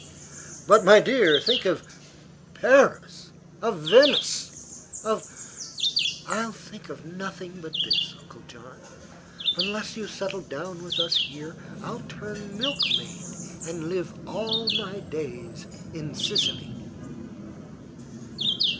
"But, my dear, think of Paris, of Venice, of " "I'll think of nothing but this, Uncle John. Unless you settle down with us here I'll turn milkmaid and live all my days in Sicily!"